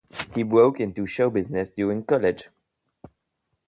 He broke into show business during college.